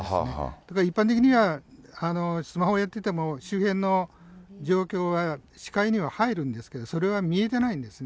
だから一般的には、スマホをやってても、周辺の状況は視界には入るんですけど、それは見えてないんですね。